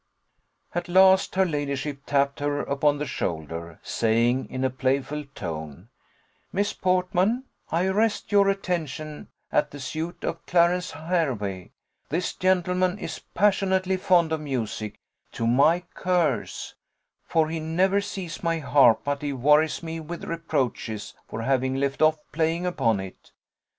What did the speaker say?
At last, her ladyship tapped her upon the shoulder, saying, in a playful tone, "Miss Portman, I arrest your attention at the suit of Clarence Hervey: this gentleman is passionately fond of music to my curse for he never sees my harp but he worries me with reproaches for having left off playing upon it.